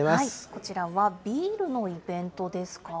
こちらはビールのイベントですか。